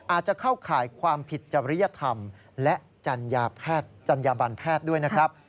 อาจจะเข้าข่ายความผิดจริยธรรมและจัญญาแพทย์จัญญาบันแพทย์ด้วยนะครับ